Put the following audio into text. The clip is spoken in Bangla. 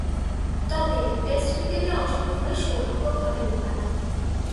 তবে, টেস্ট ক্রিকেটে অংশগ্রহণের সৌভাগ্য ঘটেনি তার।